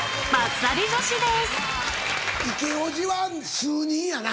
イケおじは数人やな。